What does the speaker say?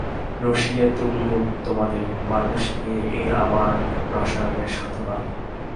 রসিয়ে তুললুম তোমাদের, মানুষ নিয়ে এই আমার রসায়নের সাধনা।